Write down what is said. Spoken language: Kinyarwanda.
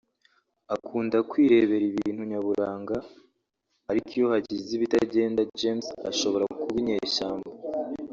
akunda kwirebera ibintu nyaburanga ariko iyo hagize ibitagenda James ashobora kuba inyeshyamba